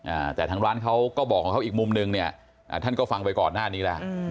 อ่าแต่ทางร้านเขาก็บอกของเขาอีกมุมนึงเนี่ยอ่าท่านก็ฟังไปก่อนหน้านี้แล้วอืม